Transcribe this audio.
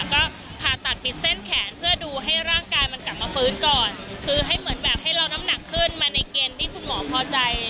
ก็ผ่าตัดผิดเส้นแขนเพื่อดูให้ร่างกายมันกลับมาฟื้นก่อนคือให้เหมือนแบบให้เราน้ำหนักขึ้นมาในเกณฑ์ที่คุณหมอพอใจ